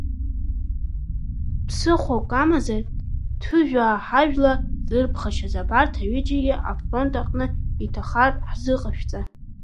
Ԥсыхәак амазар Ҭыжәаа ҳажәла зырԥхашьаз абарҭ аҩыџьегьы афронт аҟны иҭахартә ҳзыҟашәҵа!